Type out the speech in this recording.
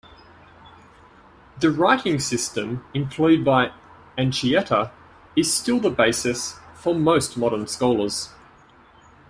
The writing system employed by Anchieta is still the basis for most modern scholars.